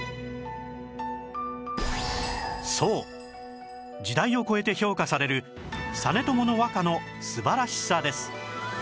そう時代を超えて評価される実朝の和歌の素晴らしさです